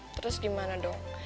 terus gimana dong